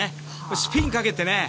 スピンをかけてね。